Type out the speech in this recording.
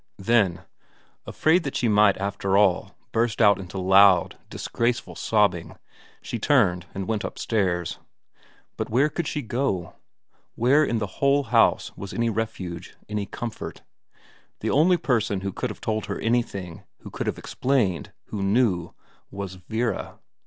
Then, afraid that she might after all burst out into loud, disgraceful sobbing, she turned and went upstairs. But where could she go ? Where in the whole house was any refuge, any comfort ? The only person who could have told her anything, who could have explained, who knew, was Vera.